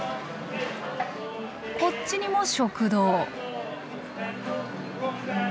こっちにも食堂。